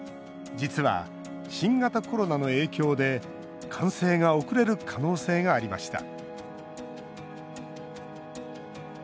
実は、新型コロナの影響で完成が遅れる可能性がありました。